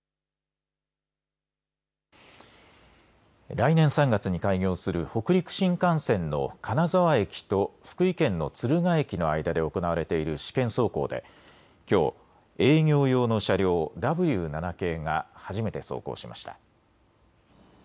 来年３月に開業する北陸新幹線の金沢駅と福井県の敦賀駅の間で行われている試験走行できょう営業用の車両、Ｗ７系が初めて走行しました。